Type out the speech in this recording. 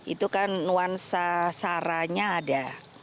itu kan nuansa saranya ada